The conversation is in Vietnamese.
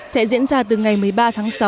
sẽ diễn ra từ ngày một mươi ba tháng sáu